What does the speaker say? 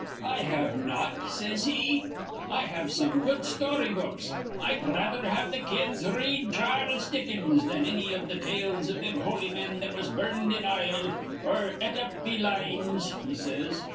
'I have not,' says he. 'I have some good story books. I'd rather th' kids'd r read Char les Dickens than anny iv th' tales iv thim holy men that was burned in ile or et up be lines,' he says.